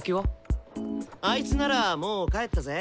あいつならもう帰ったぜ。